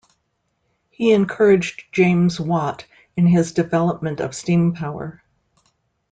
He encouraged James Watt in his development of steam power.